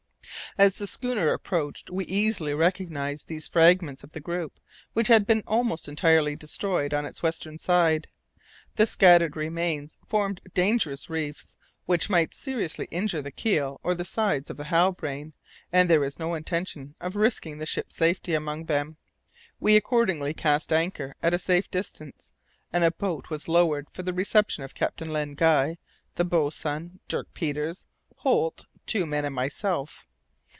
As the schooner approached we easily recognized these fragments of the group, which had been almost entirely destroyed on its western side. The scattered remains formed dangerous reefs which might seriously injure the keel or the sides of the Halbrane, and there was no intention of risking the ship's safety among them. We accordingly cast anchor at a safe distance, and a boat was lowered for the reception of Captain Len Guy, the boatswain, Dirk Peters, Holt, two men and myself.